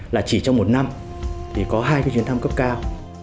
là chỉ trong một năm thì có hai cái chuyến thăm cấp cao